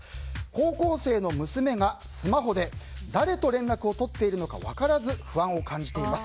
高校生の娘がスマホで誰と連絡を取っているのか分からず不安を感じています。